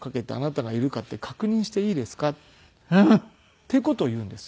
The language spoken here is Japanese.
っていう事を言うんですよ。